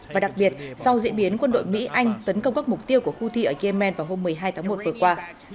và đặc biệt sau diễn biến quân đội mỹ anh tấn công các mục tiêu của houthi ở yemen vào hôm một mươi hai tháng một vừa qua